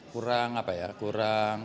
kurang apa ya kurang